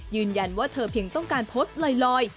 ยืนยันว่าเธอเพียงต้องการโพสต์ลอย